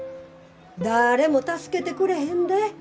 だれも助けてくれへんで？